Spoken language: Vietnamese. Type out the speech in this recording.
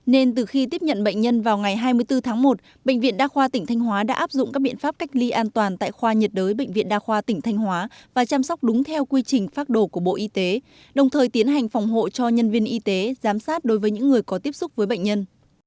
nên từ khi tiếp nhận bệnh nhân vào ngày hai mươi bốn tháng một bệnh viện đa khoa tỉnh thanh hóa đã áp dụng các biện pháp cách ly an toàn tại khoa nhiệt đới bệnh viện đa khoa tỉnh thanh hóa và chăm sóc đúng theo quy trình phát đồ của bộ y tế đồng thời tiến hành phòng hộ cho nhân viên y tế giám sát đối với những người có tiếp xúc với bệnh nhân